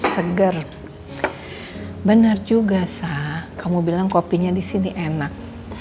seger benar juga sah kamu bilang kopinya di sini enak